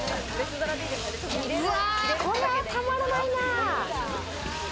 これは、たまらないな。